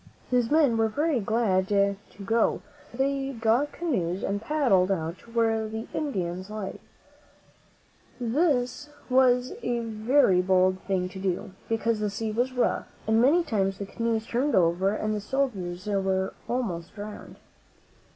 His men were very glad to go, so they got canoes and paddled out to where the islands lay. This was a very bold thing to do, because the sea was rough, and many times the canoes turned over and the soldiers were almost drowned.